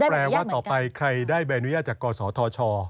แปลว่าต่อไปใครได้ใบอนุญาตจากกศธช